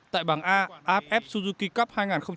tại bảng a aff suzuki cup hai nghìn một mươi tám